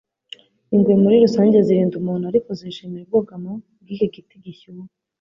Ingwe muri rusange zirinda umuntu ariko zishimira ubwugamo bwiki giti gishyuha